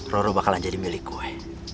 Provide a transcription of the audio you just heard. roro bakalan jadi milik kue